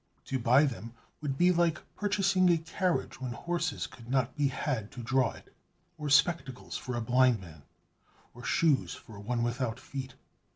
To buy them, would be like purchasing a carriage when horses could not be had to draw it, or spectacles for a blind man, or shoes for one without feet.